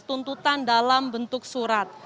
tuntutan dalam bentuk surat